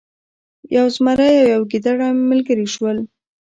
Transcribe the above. یو زمری او یو ګیدړه ملګري شول.